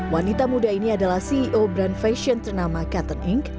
wanita muda ini adalah ceo brand fashion ternama cotton inc